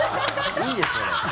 いいんですよ、それ。